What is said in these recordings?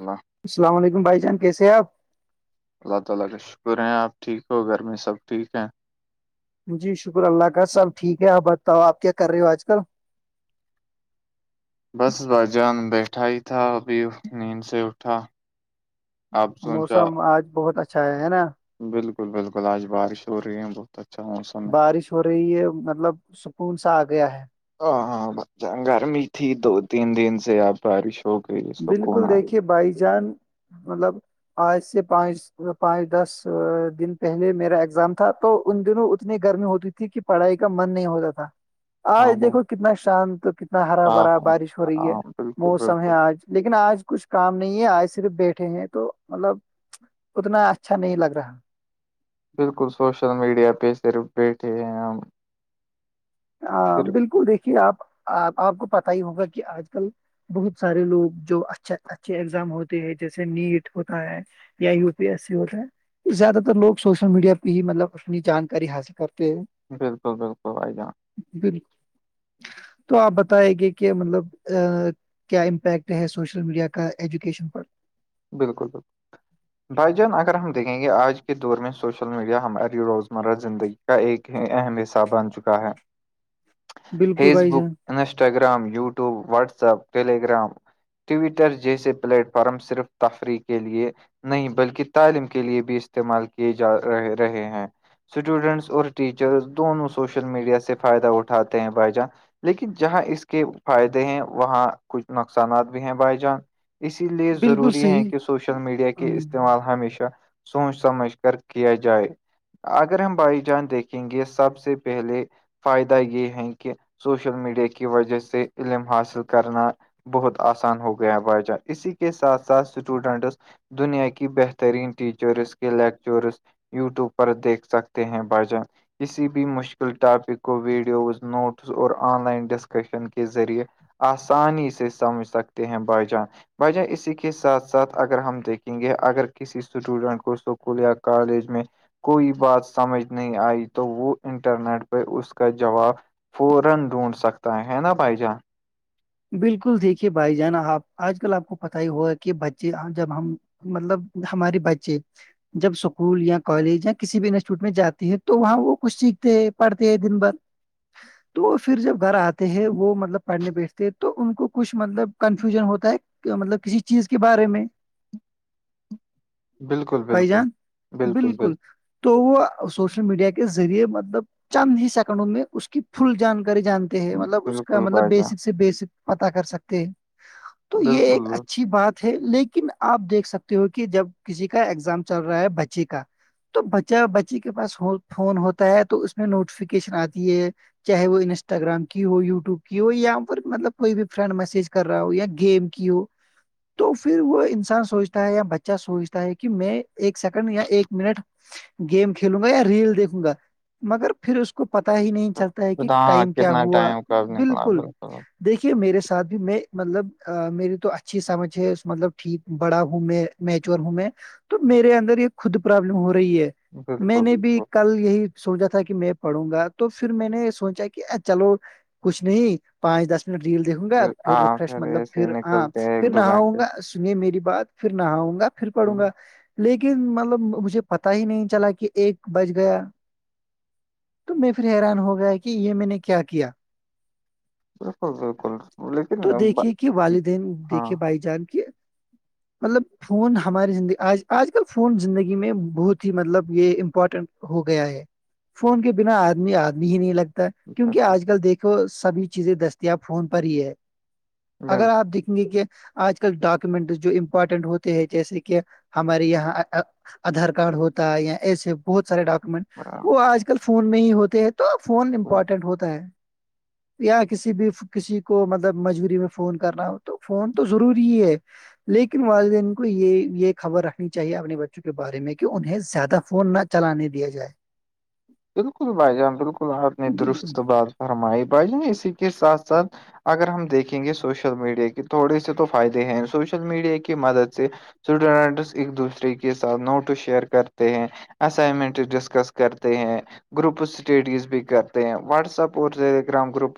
ال السلام علیکم بھائی جان کیسے آپ ہیں جی شکر اللہ کا سب ٹھیک ہے آپ بتاؤ آپ کیا کر رہے ہو آج کل بس باجان بیٹھا ہی تھا ابھی نیند سے اٹھا آپ سوچا موسم آج بہت اچھا ہے ہے نا بالکل بالکل آج بارش ہو رہی ہے بت اچھا ہاں بارش ہو رہی ہے مطلب سکون سا آ گیا ہے ہاں ہاں گرمی تھی دو تین دن سے آپ بارش ہو گئیکون آئے کہ بھائی جان مطلب آج سے پانچ پانچ دس دن پہلے میرا ایگزام تھا تو ان دنوں اتنی گرمی ہوتی تھی کہ پڑھائی کا من نہیں ہوتا تھا ہاں آج بھائی دیکھو کتنا شانت کتنا ہرا ہاں بھرا ہاں بارش ہو رہی ہے ہاں بالکل موسم ہے بالکل آج لیکن آج کچھ کام نہیں ہے آج صرف بیٹھے ہیں تو مطلب اتنا اچھا نہیں لگ رہا بالکل سوشل میڈیا پہ صرف بیٹھے ہیں ہم صرف بالکل دیکھیے آپ آپ کو پت ہی ہوگا کہ آج کل بہت سارے لوگ جو اچھا اچھے ایگزام ہوتے ہیں جیسے نیٹ ہوتا ہے یا یو پی ایس سی ہوتا ہے زیادہ تر لوگ سوشل میڈیا پہ ہی مطلب اپنی جانکاری حاصل کرتے ہیں بالکل بالکل آائی جان بالکل تو آپ بتائے گے کہ مطلب کیا امپیکٹ ہے سوشل میڈیا کا ایجوکیشن پر بالکل بالکل بھائی جان اگر ہم دیکھیں گے آج کے دور میں سوشل میڈیا ہماری روزمرہ زندگی کا ایک ہی اہم حصہ بن چکا ہے بالکل فیس بھائی بک جان Instagram YouTube WhatsApp Telegram Twitter جیسے پلیٹ فارم صرف تفریح کے لیے نہیں بلکہ تعلیم کے لیے بھی استعمال کیے جا رہے رہے ہیں اسٹوڈینٹس اور ٹیچرس دونوں سوشل میڈیا سے فائدہ اٹھاتے ہیں بھائی جان لیکن جہاں اس کے فائدے ہیں وہاں کچھ نقصانات بھی ہیں بائی جان اسی لیے بالکل ضروری ہے صحیح کہ سوشل میڈیا کے ہم، استعمال ہمیشہ سوچ سمجھ کر کیا جائے اگر ہم بھائی جان دیکھیں گے سب سے پہلے فائدہ یہ ہے کہ سوشل میڈیا کی وجہ سے علم حاصل کرنا بہت آسان ہو گیا ہے بھائی جان اسی کے ساتھ ساتھ اسٹوڈینٹس دنیا کی بہترین ٹیچرس کے لیکچرس یوٹیوب پر دیکھ سکتے ہیں بجن کسی بھی مشکل ٹاپک کو ویڈیوز نوٹس اور آن لائن ڈسکشن کے ذریعے آسانی سے سمجھ سکتے ہیں بائیجان بائیجان اسی کی کے ساتھ ساتھ اگر ہم دیکھیں گے اگر کسی اسٹوڈینٹ کو اسکول یا کالج میں کوئی بات سمجھ نہیں آئی تو وہ انٹرنیٹ پہ اس کا جواب فورن ڈھونڈ سکتا ہے ہے نا بائ جا بالکل دیکھیے بھائی جانا آپ آج کل آپ کو پت ہی ہوا ہے کہ بچے جب ہم مطلب ہماراری بچے جب اسکول یا کالج یا کسی بھی انسٹیٹیوٹ میں جاتے ہے تو وہاں وہ کچھ سیکھتے ہیں پڑھتے ہیں دن بھر تو پھر جب گھر آتے ہیں وہ مطلب پڑھنے بی تھ تو ان کو کچھ مطلب کنفیوژن ہوتا ہے مطلب کسی چیز کے بارے میں بالکل بھائی بالکل جان بالکل تو وہ سوشل میڈیا کے ذریعے مطلب چند ہی سیکنڈوں میں اس کی فل جانکاری جانتے مطلب اس کا بالکل مطلب بھائی جان بیسک سے بیسک پتا کر سکتے ہیں تو یہ بالکل ایک بالکل۔ اچھی بات تھ لیکن آپ دیکھ سکتے ہو کہ جب کسی کا ایگزام چل رہا ہے بچے کا تو بچہ بچی کے پاس فون ہوتا ہے تو اس میں نوٹیفکیشن آتی ہے چاہے وہ انسٹاگرام کی ہو یوٹیوب کی ہو یا مطلب کوئی بھی فرینڈ میسج کر رہا ہو یا گیم کی ہو تو پھر وہ انسان سوچتا ہے یا بچہ سوچتا ہے کہ میں ایک سیکنڈ یا ایک منٹ گیم کھیلوں گا یا ریل دیکھوں گا مگر پھر اس کو پتا ہی نہیں چلتا ہے تو کہ ہاں ٹائم کیا کتنا ہوا ٹائم کاب نکلا بالکل دیکھیے میرے ساتھ بھی میں مطلب میری تو اچھی سمجھ ہے مطلب ٹھیک بڑا ہوں میں میچور ہوں میں تو میرے اندر یہ خود پرابلم ہو رہی ہے میں بالکل نے بھی بالکل کل یہی سوچا تھا کہ میں پڑوں گا تو پھر میں نے سوچا کہ چلو کچھ نہیں پانچ دس ڈیل دیکھوں گا پھر ہاں ریفریش مطلب ایسے پھر ہاں نکلتے ہیں پھر ایک دو گھنٹے نہاؤں گا سنی میری بات پھر نہاؤں گا پھر پڑھوں ہوں، گا لیکن مطلب مجھے پتا ہی نہیں چلا کہ ایک بج گیا تو میں پھر حیران ہو گیا کہ یہ میں نے کیا کیا ر تو دیکھیے کہ والدین ہاں دیکھے بھائی جان کے مطلب فون ہماری زندگی آج آج کل فون زندگی میں بہت ہی مطلب یہ امپورٹنٹ ہو گیا ہے فون کے بنا آدمی آدمی ہی نہیں لگتا کیونکہ بالکل آج کل دیکھو سبھی چیزیں دستیاب فون پر ہی ہے اگر آپ دیکھیں گے کہ آج کل ڈاکومنٹ جو امپورٹینٹ ہوتے ہیں جیسے کہ ہمارے یہاں آدھار کارڈ ہوتا ہے یا ایسے بہت سارے ڈاکومنٹ بالکل۔ وہ آج کل فون میں ہی ہوتے ہیں تو فون امپورٹینٹ ہوتا ہے یا کسی بھی کسی کو مطلب مجبوری میں فون کرنا ہو تو فون تو ضروری ہی ہے لیکن والدین کو یہ یہ خبر رکھنی چاہیے اپنے بچوں کے بارے میں کہ انہیں زیادہ فون نہ چلانے دیا جائے بالکل بھائی جان بالکل آپ نے بالکل درست بات فرمائی بھائی جان اسی کے ساتھ ساتھ اگر ہم دیکھیں گے سوشل میڈیا کے تھوڑے سے تو فائدے ہیں سوشل میڈیا کی مدد سے سوڈٹس ایک دوسرے کے ساتھ نوٹو شیئر کرتے ہیں اسائنمنٹ ڈسکس کرتے ہیں گروپ اسٹیڈز بھی کرتے ہیں واٹساپ اور ٹیلی گرام گروپ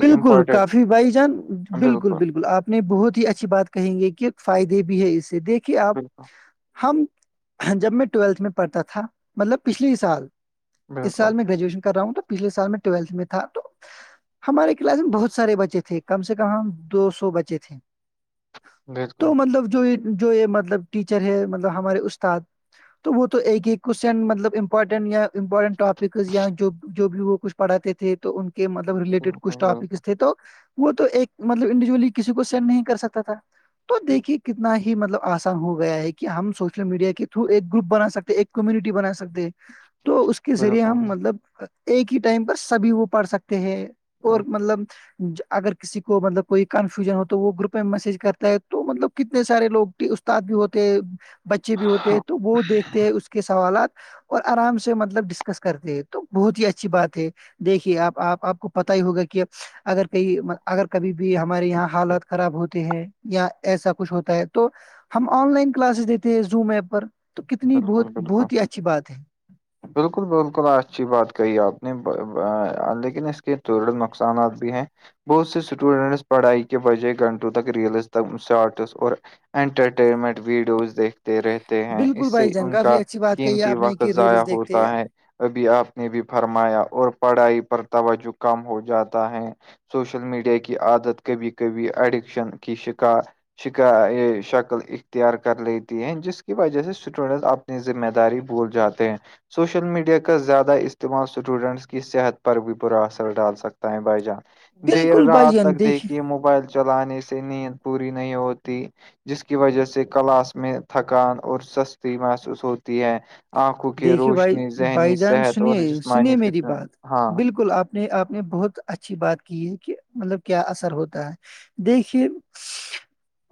بالکل کافی بھائی جان بالکل بالکل آپ اپنے بہت ہی اچھی بات کہیں گے کہ فائدے بھی ہے اس سے دیکھیے آپ بالکل ہم جب میں ٹویلتھ میں پڑھتا تھا مطلب پچھل سال اس بالکل سال میں گریجویشن کر رہا ہوں تو پچھل سال میں ٹویلت میں تھا تو ہمارے کلاس میں بہت سارے بچے تھے کم سے کم ہم دو سو بچے تھے بالکل تو مطلب جو یہ جو یہ مطلب ٹیچر ہے مطلب ہمارے استاد تو وہ تو ایک ہی کوشچن مطلب امپورٹنٹ یا امپورٹنٹ ٹاپک ک یا جو بھی وہ کچھ پڑاتے تھے تو ان کے مطلب بالکل ریلیٹڈ کچھ بالکل ٹاپکس تھے تو وہ تو ایک مطلب انڈیویجلی کسی کو سینڈ نہیں کر سکتا تھا تو دیکے کتنا ہی مطلب آسان ہو گیا ہے کہ ہم سوشل میڈیا کے تھرو ایک گروپ بنا سکتے ہیں ایک کمیونٹی بنا سکتے تو اس کے ذریعے ہم بالکل مطلب ایک ہی ٹائم پر سبھی وہ پڑھ سکتے ہیں اور مطلب ج اگر کسی کو مطلب کوئی کنفیوژن ہو تو وہ گروپ میں میسج کرتا ہے تو مطلب کتنے سارے لگ استاد بھی ہوتے بچے بھی ہوتے ہیں تو وہ دیکھتے ہیں اس کے سوالات اور آرام سے مطلب ڈسکس کرتے ہیں تو بہت ہی اچھی بات ہے دیکھیے آپ آپ آپ کو پتا ہی ہوگا کہ اگر کہئی اگر کبھی بھی ہمارے یہاں حالت خراب ہوتے ہیں یا ایسا کچھ ہوتا ہے تو ہم آن لائن کلاسز دیتے ہیں زوم ایپ پر تو کتنی ب بالکل بالکل بہت ہی اچھی بات ہے بالکل بالکل اچھی بات کہی آپ نے لیکن اس کے دڑ نقصانات بھی ہیں بہت سے اسٹوڈینٹس پڑھائی کے بجائے گھنٹوں تک ریلز تک شارٹس اور انٹرٹینمنٹ ویڈیوز دیکھتے رہتے ہیں بالکل اس سے بھائی جان ان کافی کا اچھی بات کہی ہے قیمتی آپ نے وقت کہ ضائع ریلز دیکھتے ہیں ہوتا ہے ابھی آپ نے بھی فرمایا اور پڑھائی پر توجہ کم ہو جاتا ہے سوشل میڈیا کی عادت کبھی کبھی ایڈکشن کی شکار شکا یہ شکل اختیار کر لیتی ہے جس کی وجہ سے اسٹوڈنس اپنی ذمہ داری بھول جاتے ہیں سوشل میڈیا کا زیادہ استعمال اسٹوڈنٹس کی صحت پر بھی برا اثر ڈال سکتا ہے بائی جان دیر بالکل بھائی رات تک جان دیکھیے موبائل چلانے سے نیند پوری نہیں ہوتی جس کی وجہ سے کلاش میں تھکان اور سستی محسوس ہوتی ہے آنکھوں کی دیکھیے بھائی روشنی ذہنی بھائی جان صحت اور سنیے جسمانی فٹ ہاں اپنے آپ نے بہت اچھی بات کی ہے کہ مطلب کیا اثر ہوتا ہے دیکھیے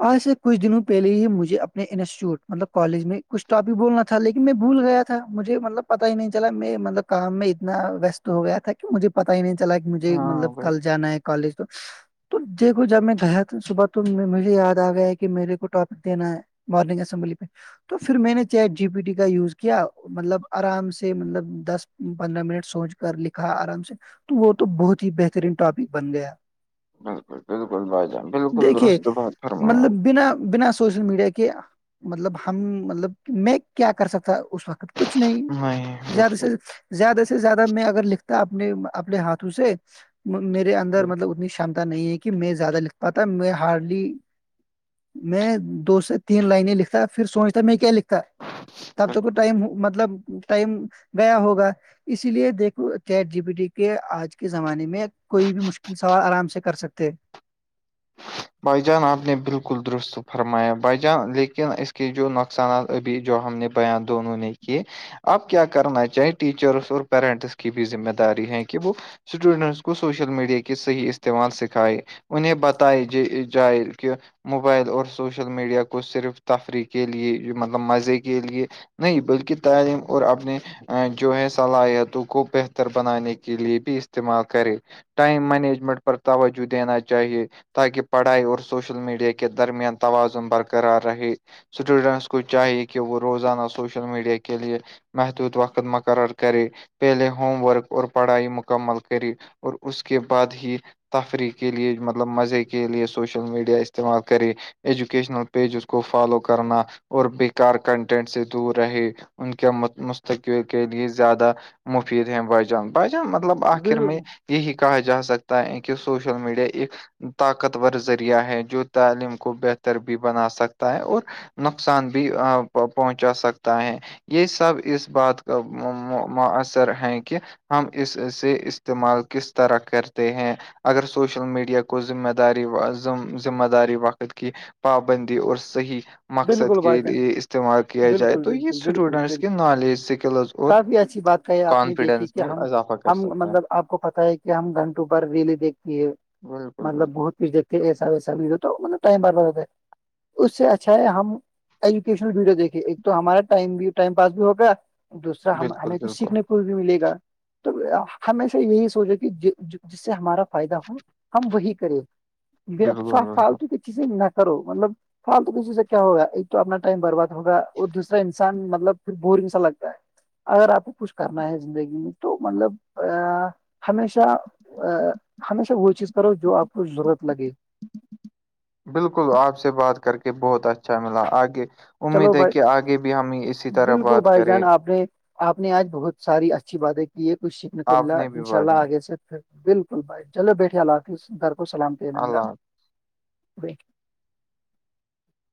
آج سے کچھ دنوں پہلے ہی مجھے اپنے انسٹیوٹ مطلب کالج میں کچھٹاپک بولنا تھا لیکن میں بھول گیا تھا مجھے مطلب پتا ہی نہیں چلا میں مطلب کام میں اتنا وست ہو گیا تھا مجھے پتا ہی نہیں چلا کہ مجھے مطلب ہاں بھائی کل جانا ہے کالج تو تو دیکھو جب میں گیا تو صبح تو مجھے یاد آ گیا ہے کہ میرے کو ٹاپک دینا ہے مارنگ اسمبلی پہ تو پھر میں نے چ جی پی ٹی کا یوز کیا مطلب آرام سے مطلب دس پندرہ منٹ سوچ کر لکھا آرام سے تو وہ تو بہت ہی بہترین ٹاپک بن گیا بالکل بالکل بھائی جان بالکل دیکھیے درست بات فرمایا مطلب بنا بنا سوشل میڈیا کے مطلب ہم مطلب میں کیا کر سکتا اس وقت کچھ نہیں آپ۔ زیادہ بالکل سے زیادہ سے زیادہ میں اگر لکھتا اپنے اپنے ہاتھوں سے میرے اندر بالکل مطلب اتنی چمتا نہیں ہے کہ میں زیادہ لکھتاا میں ہارڈلی میں دو سے تین لائیں لکھتا پھر سوچتا میں کیا لکھتا تب تو کو ٹائم مطلب ٹائم گیا ہوگا اسی لیے دیکھو چیٹ جی بی ٹی کے آج کے زمانے میں کوئی بھی مشکل سوال آرام سے کر سکتے [inaudible] بائی جان آپ نے بالکل درست فرمایا بائی جان لیکن اس کے جو نقصانات ابھی جو ہم نے بیان دونوں نے کیے آب کیا کرنا چاہیں ٹیچرس اور پیرنٹس کی بھی ذمہ داری ہے کہ وہ- اسٹوڈنٹس کو سوشل میڈیا کے صحیح استعمال سکھائے انہیں ب- [unintelligible] موبائل اور سوشل میڈیا کو صرف تفریح کے لیے مطلب مزے کے لیئے نہیں بلکہ تعلیم اور اپنے جو ہے صلاحیتوں کو بہتر بنانے کے لیے بھی استعمال کرے ٹائم مینجمنٹ پر توجہ دینا چاہیے تاکہ پڑھائی اور سوشل میڈیا کے درمیان توازن برقرار رہے اسٹوڈنٹس کو چاہیے کہ وہ روزانہ سوشل میڈیا کے لئے محدود وقت مقرر کرے پہلے ہوم ورک اور پڑھائی مکمل کری اور اس کے بعد ہی تفریح کے لیے مطلب مزے کے کے لیے سوشل میڈیا استعمال کرے ایجوکیشنل پیجز کو فالو کرنا اور بیکار کنٹینٹ سے دور رہے ان کے مستقبل کے لیے زیادہ مفید ہیں بھائی جان بھالی جان مطلب آخر بال میں یہی کہا جا سکتا ہے کہ سوشل میڈیا ایک طاقتور ذریعہ ہے جو تعلیم کو بہتر بھی بنا سکتا ہے اور نقصان بھی پہنچا سکتا ہے یہ سب اس بات کا مؤثر ہے کہ ہم اسے استعمال کس طرح کرتے ہیں اگر سوشل میڈیا کو ذمہ دار د ذمہ داری وقت کی پابندی اور صحیح مقصد بالکل کے بھائی جان لیے استعمال کیا جائے بالکل تو یہ بالکل بالکل اسٹوڈنٹس کے بالکل نالج سکلز کافی ایسی بات کہی آپ نے دیکھی کہ ہم اضافہ کر ہم سکتا ہے مطلب آپ کو پتہ ہے کہ ہم گھنٹوں پر ریلی دیکھ یہ [unintelligible] مطلب بہت کچ دیکتے ایسا وسا توط ٹم رہتا ہے اس سے اچھا ہے ہم ایجوکیشنل ویڈیو دیکھے ایک تو ہمارا ٹ ٹائم پاس بھی ہوگا دوسرا ہمیں بالکل کچھ سیکھنے کو بھی ملے گا تو ہشہ یہی سوچے کہ جس سے ہمارا فائدہ ہو ہم وہی کریں ما بالکل بالکل بالکل فالتو چزے نہ کرو مطلب فالتو کسی سے کیا ہوگا ایک تو اپنا ٹائم برباد ہوگا اور دوسا انسان مطلب پھر بورنگ سا لگتا ہے اگر آپ کو کچھ کرنا ہے زندگی میں تو مطلب ہمیشہ ہمیشہ وہ چیز کرو جو آپ کو ضرورت لگے بالکل آپ سے بات کر کے بہت اچھا ملا آگے- چلو امید ہے بھائی کہ آگے بھی ہم اسی طرح بالکل بات بھائی کریں جان آپ نے آپ نے آج بہت ساری اچھی باتیں کی ہے کچھ سیکھنے کو آپ ملا نے بھی ان شاء اللہ بجا آگے سے پھر بالکل بھائی چلو بیٹھے اللہ حافظ گھر کو سلام اللہ حافظ نا